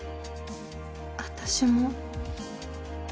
私も。